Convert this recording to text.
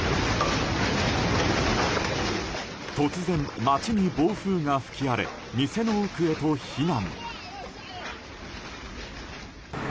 突然、街に暴風が吹き荒れ店の奥へと避難。